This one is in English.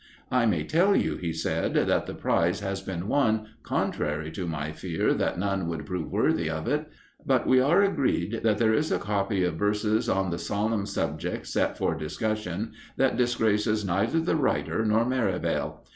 "I may tell you," he said, "that the prize has been won, contrary to my fear that none would prove worthy of it. But we are agreed that there is a copy of verses on the solemn subject set for discussion that disgraces neither the writer nor Merivale.